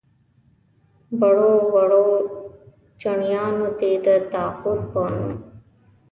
وړو وړو چڼیانو دې د طاغوت په نوم.